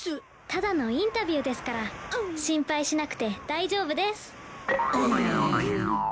ただのインタビューですから心配しなくて大丈夫です。